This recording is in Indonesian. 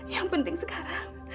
yang penting sekarang